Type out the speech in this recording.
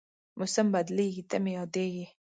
موسم بدلېږي، ته مې یادېږې